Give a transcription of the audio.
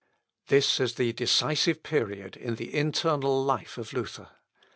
This is the decisive period in the internal life of Luther.